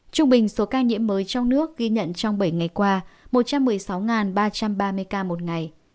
trung bình số ca nhiễm mới trong nước ghi nhận trong bảy ngày qua một trăm một mươi sáu ba trăm ba mươi ca một ngày